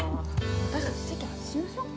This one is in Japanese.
私たち席はずしましょうか。